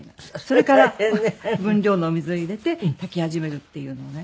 それから分量のお水を入れて炊き始めるっていうのをね